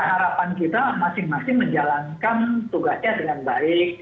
harapan kita masing masing menjalankan tugasnya dengan baik